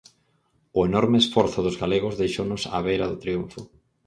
O enorme esforzo dos galegos deixounos á beira do triunfo.